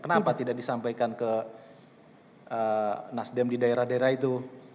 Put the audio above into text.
kenapa tidak disampaikan ke nasdem di daerah daerah itu